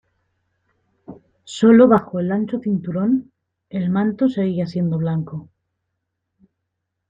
Sólo bajo el ancho cinturón, el manto seguía siendo blanco.